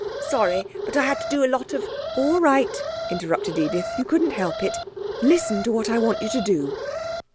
'Sorry, but I had to do a lot of ' 'All right,' interrupted Edith. 'You couldn't help it. Listen' to what I want you to do.'